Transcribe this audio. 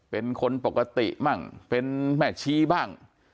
เป็นคนปกติบ้างเป็นแม่ชีบ้าง